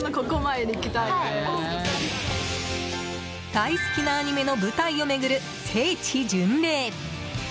大好きなアニメの舞台を巡る聖地巡礼。